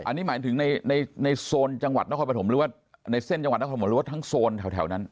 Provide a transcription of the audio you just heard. อันนี้หมายถึงในเซนจังหวัดนครปฐมหรือว่าทั้งโซนแถวนั้น